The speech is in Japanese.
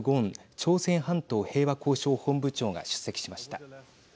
朝鮮半島平和交渉本部長が出席しました。